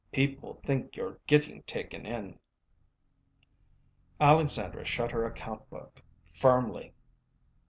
People think you're getting taken in." Alexandra shut her account book firmly.